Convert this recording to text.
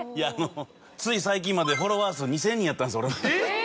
つい最近までフォロワー数２０００人やったんです俺。